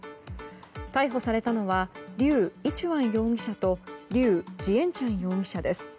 逮捕されたのはリュウ・イチュアン容疑者とリュウ・ジエンチャン容疑者です。